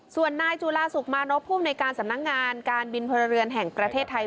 ส่วนนายจุลาสุขมานพภูมิในการสำนักงานการบินพลเรือนแห่งประเทศไทย